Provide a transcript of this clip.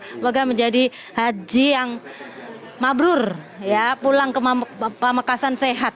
semoga menjadi haji yang mabrur ya pulang ke pamekasan sehat